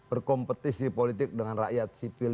berkompetisi politik dengan rakyat sipil